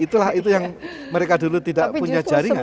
itulah itu yang mereka dulu tidak punya jaringan